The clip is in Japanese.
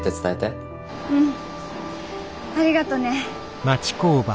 うん。ありがとね。